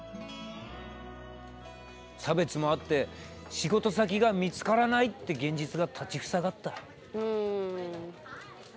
差別もあって仕事先が見つからないって現実が立ち塞がった。